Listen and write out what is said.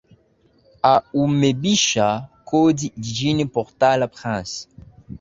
a umebisha hodi jijini portal prince